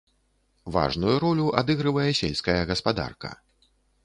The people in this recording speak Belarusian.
Важную ролю адыгрывае сельская гаспадарка.